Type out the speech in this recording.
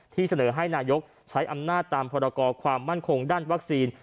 เสนอให้นายกใช้อำนาจตามพรกรความมั่นคงด้านวัคซีน